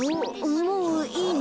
もういいの？